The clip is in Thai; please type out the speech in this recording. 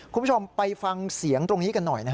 คุณผู้ชมไปฟังเสียงตรงนี้กันหน่อยนะฮะ